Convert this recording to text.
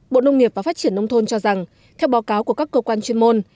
bộ nông nghiệp và phát triển nông thôn cho rằng theo báo cáo của các cơ quan chuyên môn